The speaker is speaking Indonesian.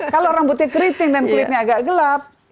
kalau rambutnya keriting dan kulitnya agak gelap